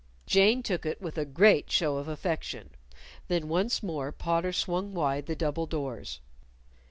Jane took it with a great show of affection. Then once more Potter swung wide the double doors.